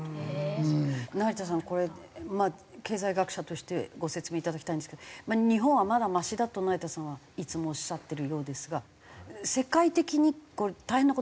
成田さんこれ経済学者としてご説明いただきたいんですけど日本はまだマシだと成田さんはいつもおっしゃってるようですが世界的にこれ大変な事になってるんですか？